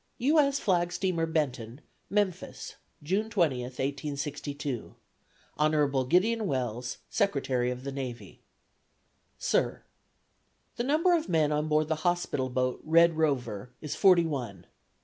U. S. Flag Steamer Benton, Memphis, June 20, 1862. Hon. Gideon Wells, Secretary of the Navy. Sir: The number of men on board the hospital boat Red Rover is forty one.